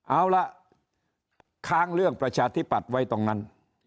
เอาล่ะค้างเรื่องประชาธิปัตย์ไว้ตรงนั้น